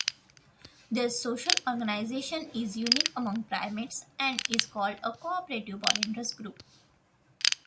Their social organization is unique among primates and is called a "cooperative polyandrous group".